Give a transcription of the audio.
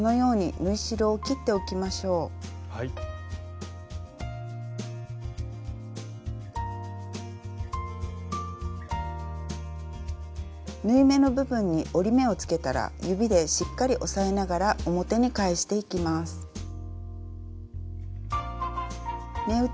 縫い目の部分に折り目をつけたら指でしっかり押さえながら表に返していきます。